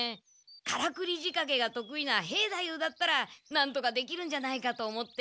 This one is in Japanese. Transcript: カラクリじかけがとくいな兵太夫だったらなんとかできるんじゃないかと思って。